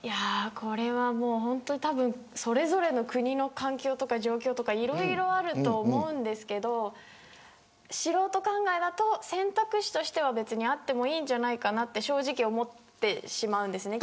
これは本当にそれぞれの国の環境とか状況とかいろいろあると思うんですけど素人考えだと選択肢としては別にあってもいいんじゃないかなと正直、思ってしまうんですね。